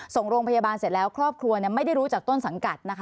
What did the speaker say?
ส่งโรงพยาบาลเสร็จแล้วครอบครัวไม่ได้รู้จากต้นสังกัดนะคะ